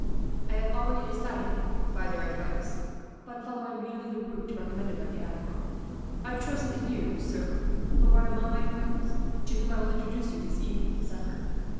I had already decided, by their advice, upon following nearly the route commended by the Admiral. I trust that you, sir, will ride among my friends; to whom I will introduce you this evening, at supper."